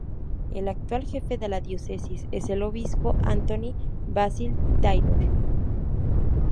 El actual jefe de la Diócesis es el Obispo Anthony Basil Taylor.